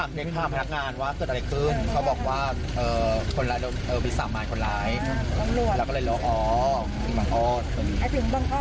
ก็ทีนจะเหมือนกันเลยนะครับ